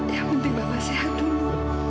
yang penting mama sehat dulu